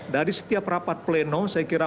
dari setiap rapat pleno saya kira